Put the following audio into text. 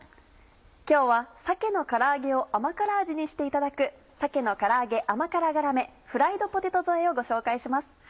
今日は鮭のから揚げを甘辛味にしていただく「鮭のから揚げ甘辛がらめフライドポテト添え」をご紹介します。